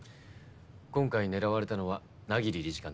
今回狙われたのは百鬼理事官だった。